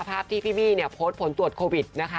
ภาพที่พี่บี้เนี่ยโพสต์ผลตรวจโควิดนะคะ